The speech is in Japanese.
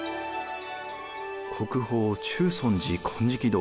国宝中尊寺金色堂。